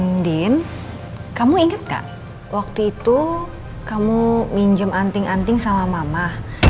mungkin kamu inget gak waktu itu kamu minjem anting anting sama mama